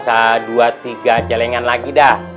saat dua tiga jelengan lagi dah